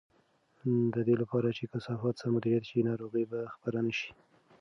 د دې لپاره چې کثافات سم مدیریت شي، ناروغۍ به خپرې نه شي.